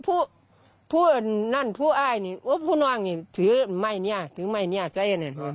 พูดนั่นพูดอ้ายนี่ว่าพูดน้องนี่ถือไม่เนี่ยถือไม่เนี่ยใช่ไหม